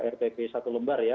rpp satu lembar ya